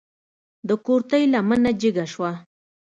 د کورتۍ لمنه جګه شوه.